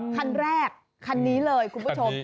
คันแรกคันนี้เลยคุณผู้ชม